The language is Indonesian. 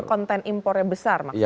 konten impornya besar maksudnya